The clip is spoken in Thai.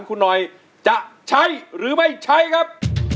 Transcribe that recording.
คุณหน่อยจะใช้หรือไม่ใช้ครับ